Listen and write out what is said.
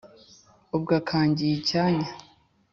ubwo akangiye icyanya